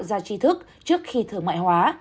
ra chi thức trước khi thương mại hóa